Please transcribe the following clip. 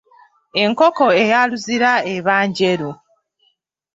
Enkoko eya luzira eba Njeru.